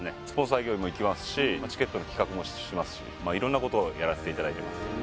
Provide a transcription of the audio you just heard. スポンサー営業にも行きますしチケットの企画もしますし色んなことをやらせていただいてます